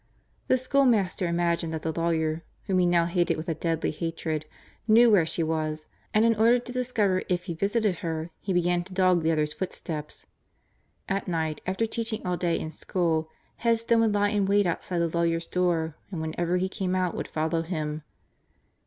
The schoolmaster imagined that the lawyer (whom he now hated with a deadly hatred) knew where she was, and in order to discover if he visited her he began to dog the other's footsteps. At night, after teaching all day in school, Headstone would lie in wait outside the lawyer's door and whenever he came out would follow him.